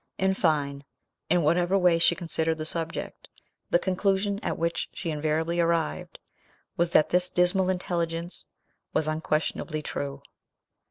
In fine, in whatever way she considered the subject, the conclusion at which she invariably arrived was, that this dismal intelligence was unquestionably true.